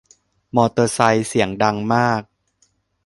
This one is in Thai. มอเตอร์ไซด์เสียงดังมาก